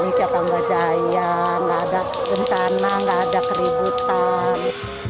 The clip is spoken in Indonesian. indonesia tambah jaya gak ada bencana gak ada keributan